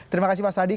terima kasih mas adi